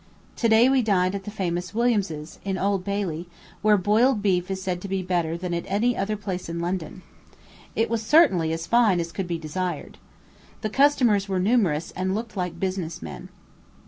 To day we dined at the famous Williams's, in Old Bailey, where boiled beef is said to be better than at any other place in London. It was certainly as fine as could be desired. The customers were numerous, and looked like business men.